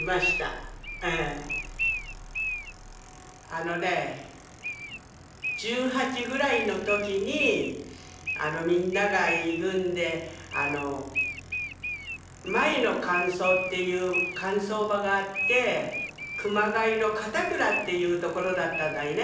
あのね１８ぐらいの時にみんなが行くんで繭の乾燥っていう乾燥場があって熊谷の片倉っていうところだったたいね。